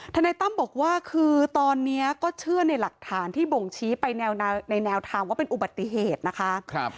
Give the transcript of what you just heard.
นายตั้มบอกว่าคือตอนนี้ก็เชื่อในหลักฐานที่บ่งชี้ไปในแนวทางว่าเป็นอุบัติเหตุนะคะ